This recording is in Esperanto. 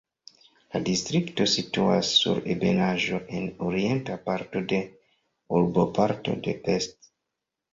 La distrikto situas sur ebenaĵo en orienta parto de urboparto de Pest.